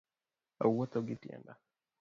Awuotho gi tienda